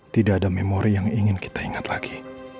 tidak ada memori yang ingin kita ingat lagi